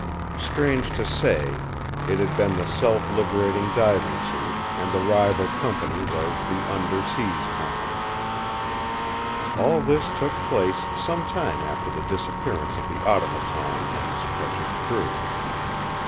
Strange to say, it had been the self liberating diving suit and the rival company was the Under Seas Company. All this took place some time after the disappearance of the Automaton and his precious crew.